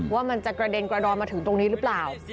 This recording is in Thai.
ว่ามันจะกระเด็นกระดอนมาถึงตรงนี้หรือเปล่า